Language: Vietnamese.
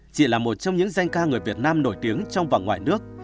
chỉ là một trong những danh ca người việt nam nổi tiếng trong và ngoài nước